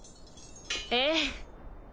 ええ。